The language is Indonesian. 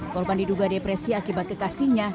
korban diduga depresi akibat kekasihnya